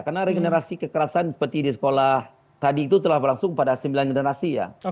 karena regenerasi kekerasan seperti di sekolah tadi itu telah berlangsung pada sembilan generasi ya